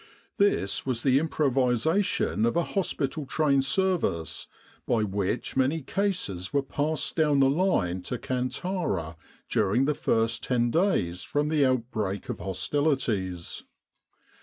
This was the improvisation of a hospital train service, by which many cases were passed down the line to Kantara during the first ten days from the outbreak of hostilities.